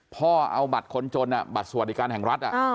พ่อเอาบัตรคนจนบัตรสวัสดิการแห่งรัฐ